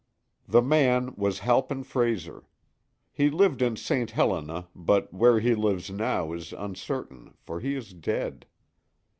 The man was Halpin Frayser. He lived in St. Helena, but where he lives now is uncertain, for he is dead.